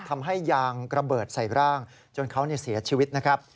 ทำให้ยางระเบิดใส่ร่างจนเขาเสียชีวิตนะครับ